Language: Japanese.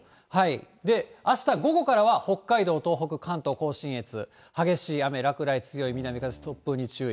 あした午後からは北海道、東北、関東甲信越、激しい雨、落雷、強い南風、突風に注意。